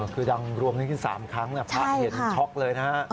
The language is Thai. คือดังรวมนี้ขึ้น๓ครั้งพระเห็นช็อกเลยนะฮะ